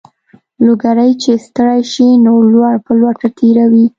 لوګری چې ستړی شي نو لور په لوټه تېروي.